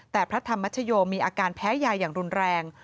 แต่พระธรรมชโยมีอาการแพ้ยาอย่างรุนแรง